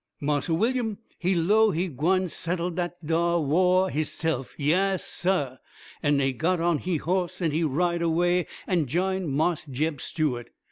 "Marse Willyum, he 'low HE gwine settle dat dar wah he se'f yass, SAH! An' he got on he hoss, and he ride away an' jine Marse Jeb Stuart.